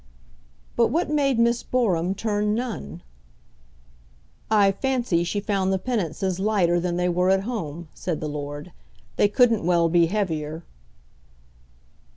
"But what made Miss Boreham turn nun?" "I fancy she found the penances lighter than they were at home," said the lord. "They couldn't well be heavier."